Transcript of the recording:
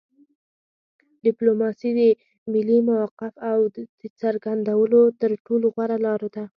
ډیپلوماسي د ملي موقف د څرګندولو تر ټولو غوره لار ده